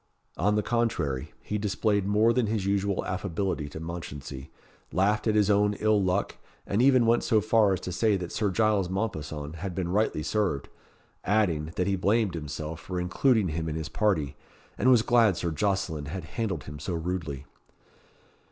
On the contrary, he displayed more than his usual affability to Mounchensey, laughed at his own ill luck, and even went so far as to say that Sir Giles Mompesson had been rightly served; adding, that he blamed himself for including him in his party, and was glad Sir Jocelyn had handled him so rudely.